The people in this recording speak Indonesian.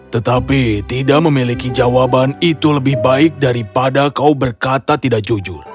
tetapi tidak memiliki jawaban itu lebih baik daripada kau berkata tidak jujur